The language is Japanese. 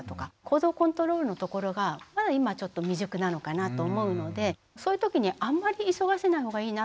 行動コントロールのところがまだ今ちょっと未熟なのかなと思うのでそういう時にあんまり急がせないほうがいいなと思っています。